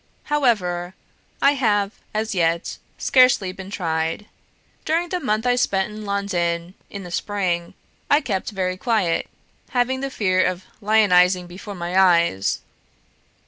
However, I have, as yet, scarcely been tried. During the month I spent in London in the spring, I kept very quiet, having the fear of lionising before my eyes.